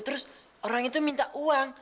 terus orang itu minta uang